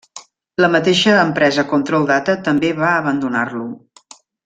La mateixa empresa Control Data també va abandonar-lo.